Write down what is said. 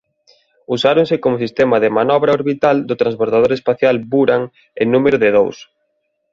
Usáronse como sistema de manobra orbital do transbordador espacial Buran en número de dous.